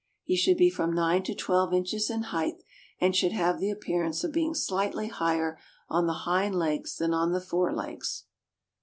He should be from nine to twelve inches in height, and should have the appearance of being slightly higher on the hind legs than on the fore legs.